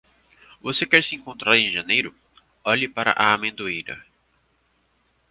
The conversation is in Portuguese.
Você quer se encontrar em janeiro? Olhe para a amendoeira.